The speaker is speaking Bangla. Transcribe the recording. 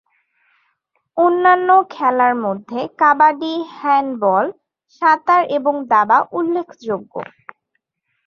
অন্যান্য খেলার মধ্যে কাবাডি, হ্যান্ডবল, সাঁতার এবং দাবা উল্লেখযোগ্য।